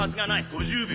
５０秒。